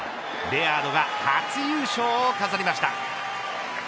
レアードが初優勝を飾りました。